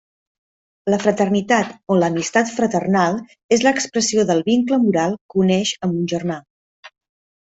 La fraternitat o l'amistat fraternal és l'expressió del vincle moral que uneix amb un germà.